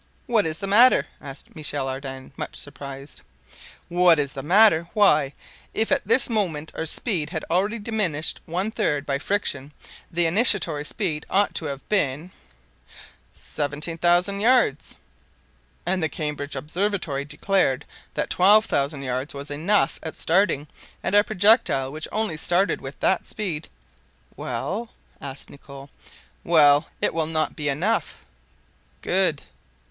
"What is the matter?" asked Michel Ardan, much surprised. "What is the matter! why, if at this moment our speed had already diminished one third by friction, the initiatory speed ought to have been—" "Seventeen thousand yards." "And the Cambridge Observatory declared that twelve thousand yards was enough at starting; and our projectile, which only started with that speed—" "Well?" asked Nicholl. "Well, it will not be enough." "Good."